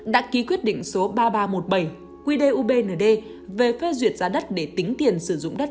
đã ký quyết định số ba nghìn ba trăm một mươi bảy quy đề ubnd về phê duyệt giá đất để tính tiền sử dụng đất